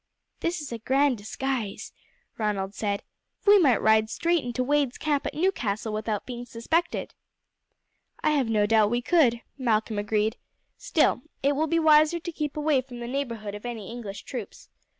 "This is a grand disguise," Ronald said. "We might ride straight into Wade's camp at Newcastle without being suspected." "I have no doubt we could," Malcolm agreed. "Still, it will be wiser to keep away from the neighbourhood of any English troops.